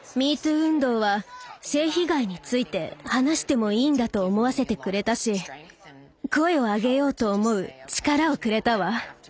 運動は性被害について話してもいいんだと思わせてくれたし声を上げようと思う力をくれたわ。